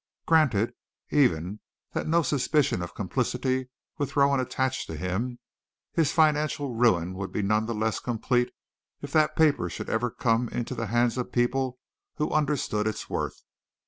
Granted, even, that no suspicion of complicity with Rowan attached to him, his financial ruin would be none the less complete if that paper should ever come into the hands of people who understood its worth.